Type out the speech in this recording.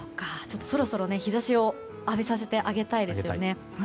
そろそろ日差しを浴びさせてあげたいですよね。